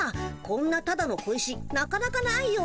こんなただの小石なかなかないよ。